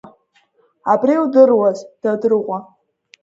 Абри удыруаз, Дадрыҟәа!